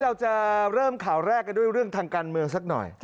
เราจะเริ่มข่าวแรกกันด้วยเรื่องทางการเมืองสักหน่อย